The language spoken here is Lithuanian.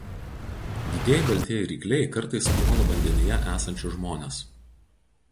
Didieji baltieji rykliai kartais puola vandenyje esančius žmones.